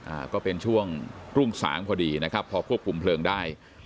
อ่าก็เป็นช่วงรุ่งสามพอดีนะครับพอควบคุมเพลิงได้